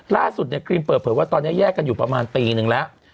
ล่าสุดเนี่ยครีมเปิดเผยว่าตอนนี้แยกกันอยู่ประมาณปีนึงแล้ว